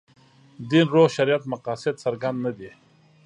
دین روح شریعت مقاصد څرګند نه دي.